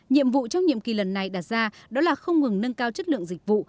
nhiệm vụ trong nhiệm kỳ lần này đặt ra đó là không ngừng nâng cao chất lượng dịch vụ